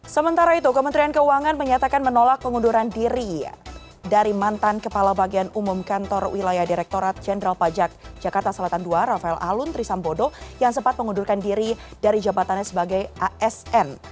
sementara itu kementerian keuangan menyatakan menolak pengunduran diri dari mantan kepala bagian umum kantor wilayah direktorat jenderal pajak jakarta selatan ii rafael alun trisambodo yang sempat mengundurkan diri dari jabatannya sebagai asn